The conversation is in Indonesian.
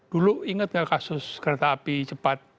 dulu inget gak kasus kereta api cepat